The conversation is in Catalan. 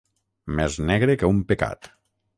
Més negre que un pecat.